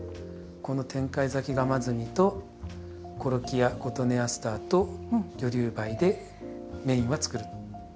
このテンカイザキガマズミとコロキアコトネアスターとギョリュウバイでメインはつくる。